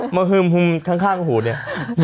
เมื่อคือมหุ้มข้างหูเนี่ย